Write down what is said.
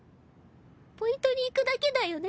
ポイントに行くだけだよね？